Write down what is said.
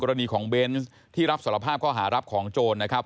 รณีของเบนส์ที่รับสารภาพข้อหารับของโจรนะครับ